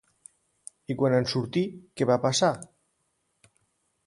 I quan en sortí, què va passar?